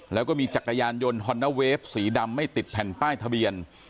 แล้วก็มีจักรยานยนต์ฮอนนาเวฟสีดำไม่ติดแผ่นป้ายทะเบียน